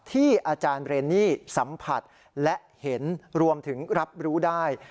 ที่อาจารย์เรนนี่สัมผัสและเห็นรวมถึงรับรู้ได้